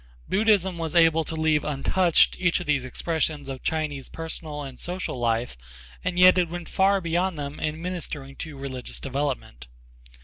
Buddhism was able to leave untouched each of these expressions of Chinese personal and social life, and yet it went far beyond them in ministering to religious development.